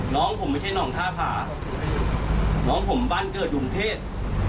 หนองผมไม่ใช่หนองท่าผ่าหนองผมบ้านเกิดอยู่มเทศ